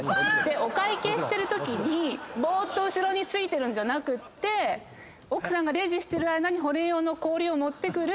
お会計してるときにぼーっと後ろについてるんじゃなくて奥さんがレジしてる間に保冷用の氷を持ってくる。